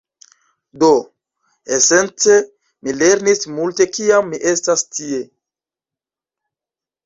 Do, esence, mi lernis multe kiam mi estas tie